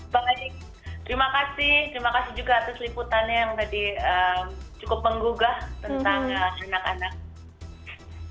baik terima kasih terima kasih juga atas liputannya yang tadi cukup menggugah tentang anak anak